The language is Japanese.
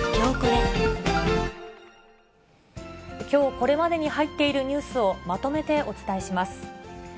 きょうこれまでに入っているニュースを、まとめてお伝えします。